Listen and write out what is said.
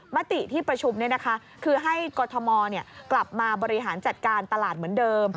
มติที่ประชุมคือให้กรทมกลับมาบริหารจัดการตลาดเหมือนเดิม